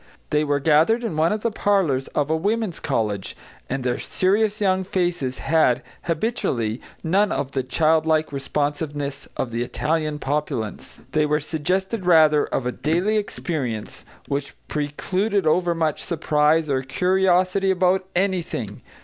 They were gathered in one of the parlours of a women's college, and their serious young faces had, habitually, none of the childlike responsiveness of the Italian populace; they were suggestive, rather, of a daily experience which precluded over much surprise or curiosity about anything.